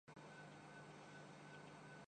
آج بھی انڈونیشیا ہو یا مشرق وسطی ایران